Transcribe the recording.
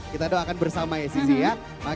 kita doakan bersama ya sisi ya